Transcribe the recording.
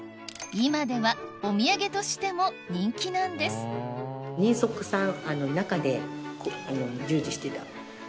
今ではお土産としても人気なんです人足さん。